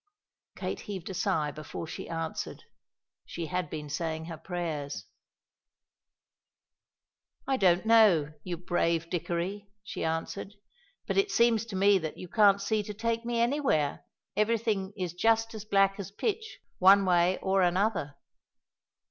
Kate heaved a sigh before she answered; she had been saying her prayers. "I don't know, you brave Dickory," she answered, "but it seems to me that you can't see to take me anywhere. Everything is just as black as pitch, one way or another."